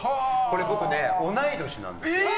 僕ね、同い年なんですよ。